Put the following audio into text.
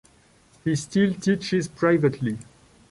He still teaches privately.